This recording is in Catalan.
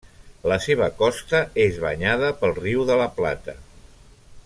La seva costa és banyada pel Riu de la Plata.